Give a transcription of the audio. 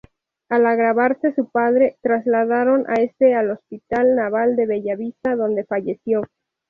Al agravarse su padre, trasladaron a este al Hospital Naval de Bellavista, donde falleció.